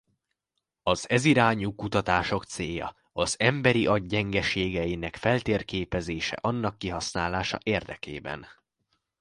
Az ez irányú kutatások célja az emberi agy gyengeségeinek feltérképezése annak kihasználása érdekében.